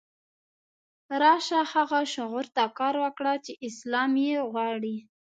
راشه هغه شعور ته کار وکړه چې اسلام یې غواړي.